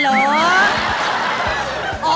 อ๋อพอเลิกค่ะ